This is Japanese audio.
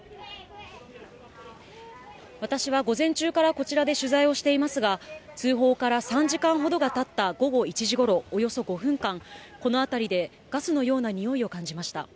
私は午前中からこちらで取材をしていますが、通報から３時間ほどがたった午後１時ごろ、およそ５分間、この辺りでガスのような臭いを感じました。